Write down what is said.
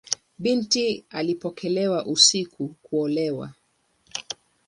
Binti alipelekwa usiku kuolewa.